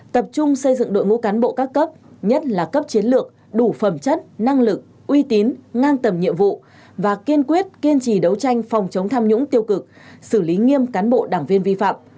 tập trung xây dựng đội ngũ cán bộ các cấp nhất là cấp chiến lược đủ phẩm chất năng lực uy tín ngang tầm nhiệm vụ và kiên quyết kiên trì đấu tranh phòng chống tham nhũng tiêu cực xử lý nghiêm cán bộ đảng viên vi phạm